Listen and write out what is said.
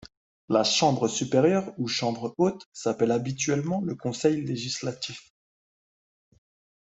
La chambre supérieure, ou chambre haute, s'appelle habituellement le Conseil législatif.